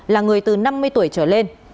là người từ năm mươi tuổi trở lên